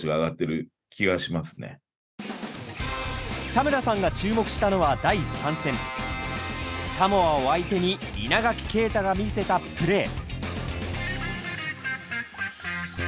田村さんが注目したのは第３戦サモアを相手に稲垣啓太が見せたプレー。